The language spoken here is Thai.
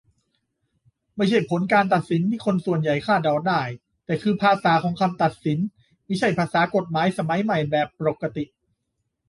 ไม่ใช่ผลการตัดสิน ที่คนส่วนใหญ่คาดเดาได้ แต่คือภาษาของคำตัดสิน- มิใช่ภาษากฎหมายสมัยใหม่แบบปรกติ